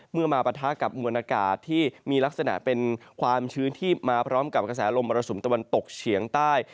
มาปะทะกับมวลอากาศที่มีลักษณะเป็นความชื้นที่มาพร้อมกับกระแสลมมรสุมตะวันตกเฉียงใต้